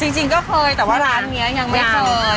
จริงก็เคยแต่ว่าร้านนี้ยังไม่เคย